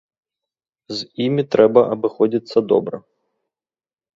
З імі трэба абыходзіцца добра.